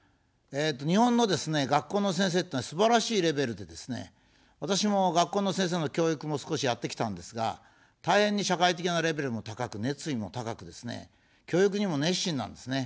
日本のですね、学校の先生というのは、すばらしいレベルでですね、私も学校の先生の教育も少しやってきたんですが、大変に社会的なレベルも高く、熱意も高くですね、教育にも熱心なんですね。